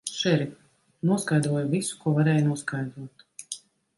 Šerif, noskaidroju visu, ko varēja noskaidrot.